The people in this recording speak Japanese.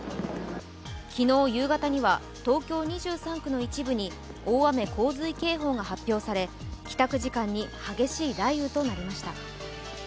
昨日夕方には東京２３区の一部に大雨洪水警報が発表され、帰宅時間に激しい雷雨となりました。